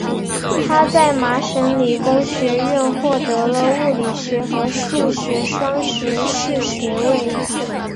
他在麻省理工学院获得了物理学和数学双学士学位。